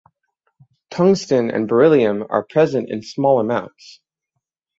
Tungsten and beryllium are present in small amounts.